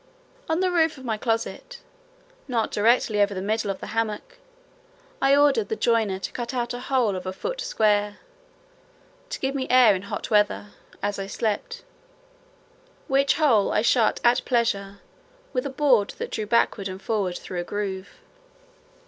On the roof of my closet, not directly over the middle of the hammock, I ordered the joiner to cut out a hole of a foot square, to give me air in hot weather, as I slept; which hole I shut at pleasure with a board that drew backward and forward through a groove.